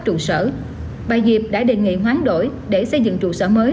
trụ sở bà dịp đã đề nghị khoáng đổi để xây dựng trụ sở mới